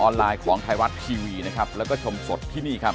ไลน์ของไทยรัฐทีวีนะครับแล้วก็ชมสดที่นี่ครับ